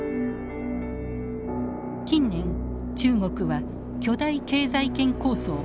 近年中国は巨大経済圏構想